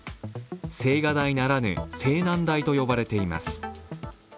青瓦台ならぬ青南台と呼ばれています。